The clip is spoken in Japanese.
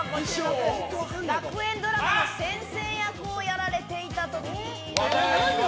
学園ドラマの先生役をやられていた時です。